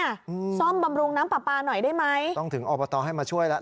อืมซ่อมบำรุงน้ำปลาปลาหน่อยได้ไหมต้องถึงอบตให้มาช่วยแล้ว